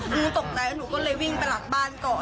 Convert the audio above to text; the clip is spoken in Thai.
หนูตกใจแล้วหนูก็เลยวิ่งไปหลังบ้านก่อน